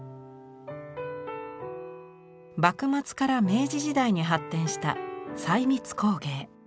幕末から明治時代に発展した細密工芸。